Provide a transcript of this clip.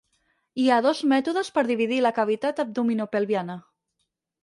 Hi ha dos mètodes per dividir la cavitat abdominopelviana.